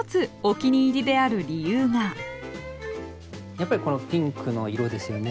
やっぱりこのピンクの色ですよね。